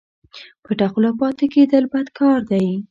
پټه خوله پاته کېدل بد کار دئ